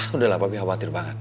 udah lah papi khawatir banget